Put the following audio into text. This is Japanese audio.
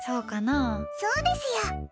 そうですよ。